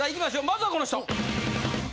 まずはこの人！